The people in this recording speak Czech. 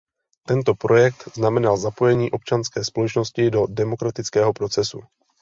Tento projekt znamenal zapojení občanské společnosti do demokratického procesu.